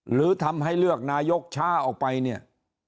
หรือทำให้เลือกนายกช้าออกไปเนี่ย